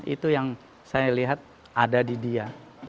itu yang saya lihat ada di dia